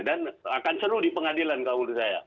dan akan seru di pengadilan kalau menurut saya